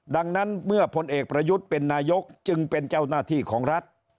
ดังนั้นเมื่อพลเอกประยุทธ์เป็นนายกจึงเป็นเจ้าหน้าที่ของรัฐ